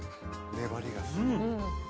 粘りがすごい。